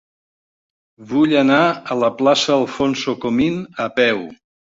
Vull anar a la plaça d'Alfonso Comín a peu.